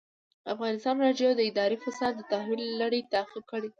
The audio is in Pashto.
ازادي راډیو د اداري فساد د تحول لړۍ تعقیب کړې.